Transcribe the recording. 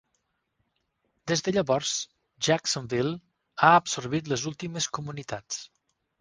Des de llavors, Jacksonville ha absorbit les últimes comunitats.